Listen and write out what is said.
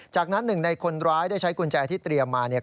จากนั้นหนึ่งในคนร้ายได้ใช้กุญแจที่เตรียมมาเนี่ย